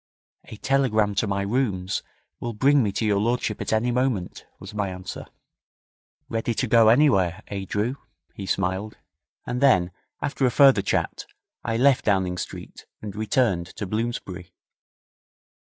'A telegram to my rooms will bring me to your lordship at any moment,' was my answer. 'Ready to go anywhere eh, Drew?' he smiled; and then, after a further chat, I left Downing Street and returned to Bloomsbury.